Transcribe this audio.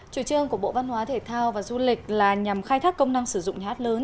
chủ trương của bộ văn hóa thể thao và du lịch là nhằm khai thác công năng sử dụng nhà hát lớn